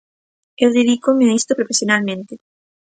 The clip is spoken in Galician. Eu dedícome a isto profesionalmente.